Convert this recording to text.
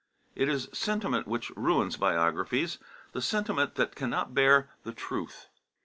It is sentiment which ruins biographies, the sentiment that cannot bear the truth.